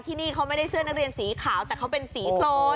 ที่นี่เขาไม่ได้เสื้อนักเรียนสีขาวแต่เขาเป็นสีโครน